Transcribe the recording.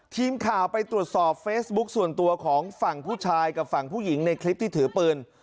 ทีมข่าวไปตรวจสอบเฟซบุ๊คส่วนตัวของฝั่งผู้ชายกับฝั่งผู้หญิงในคลิปที่ถือปืน